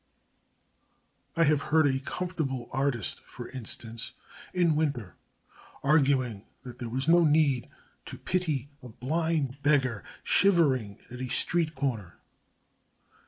I have heard a comfortable artist, for instance, in winter, arguing that there was no need to pity a blind beggar shivering at a street corner.